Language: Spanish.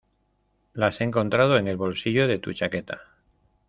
las he encontrado en el bolsillo de tu chaqueta